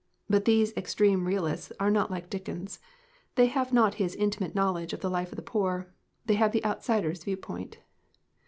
But these extreme realists are not like Dickens, they have not his intimate knowledge of the life of the poor. They have the outsider's viewpoint.